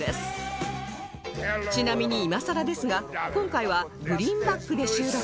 ちなみに今さらですが今回はグリーンバックで収録